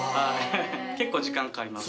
結構時間かかります。